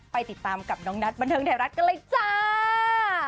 ไปติดตามกับน้องนัทบันเทิงไทยรัฐกันเลยจ้า